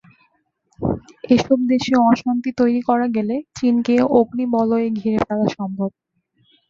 এসব দেশে অশান্তি তৈরি করা গেলে চীনকে অগ্নিবলয়ে ঘিরে ফেলা সম্ভব।